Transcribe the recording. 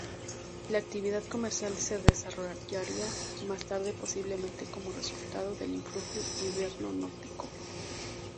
La actividad comercial se desarrollaría más tarde posiblemente como resultado del influjo hiberno-nórdico.